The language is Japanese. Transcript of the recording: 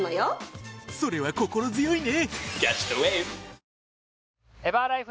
それは心強いね。